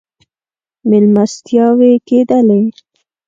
مېلمستیاوې کېدلې.